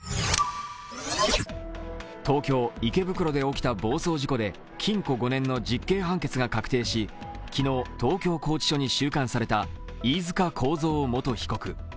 東京・池袋で起きた暴走事故で禁錮５年の実刑判決が確定し、昨日、東京拘置所に収監された飯塚幸三元被告。